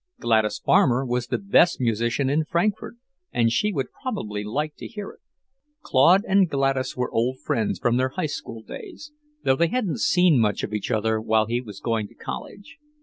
Gladys Farmer was the best musician in Frankfort, and she would probably like to hear it. Claude and Gladys were old friends, from their High School days, though they hadn't seen much of each other while he was going to college.